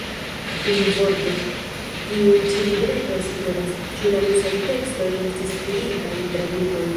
Unuvorte, tiu ĉi libreto esploras, ĉu la rusaj tekstoj estis fidindaj tradukoj.